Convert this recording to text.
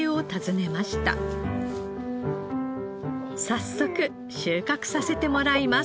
早速収穫させてもらいます。